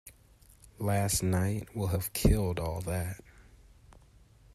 Last night will have killed all that.